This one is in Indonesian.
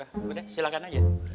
ya udah silakan aja